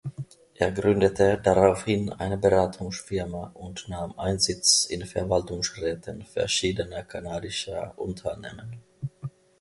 Er gründete daraufhin eine Beratungsfirma und nahm Einsitz in Verwaltungsräten verschiedener kanadischer Unternehmen.